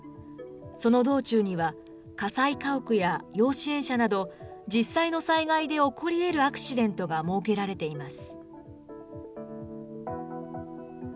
その道中には火災家屋や要支援者など、実際の災害で起こりえるアクシデントが設けられています。